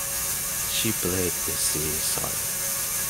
She played a Sea Siren.